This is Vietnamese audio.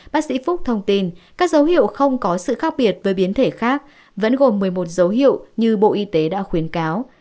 bác sĩ phúc thông tin các dấu hiệu không có sự khác biệt với biến thể khác vẫn gồm một mươi một dấu hiệu như bộ y tế đã khuyến cáo